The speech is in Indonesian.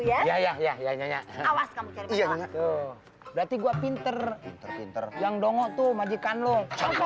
ya ya ya ya ya ya awas kamu jadi berarti gua pinter pinter yang dongok tuh majikan lo cari